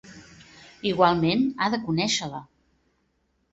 Igualment, ha de conèixer-la.